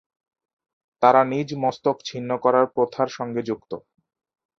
তারা নিজ মস্তক ছিন্ন করার প্রথার সঙ্গে যুক্ত।